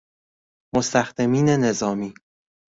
مستخدمین نظامی